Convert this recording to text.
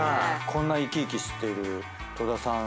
こんな生き生きしてる戸田さん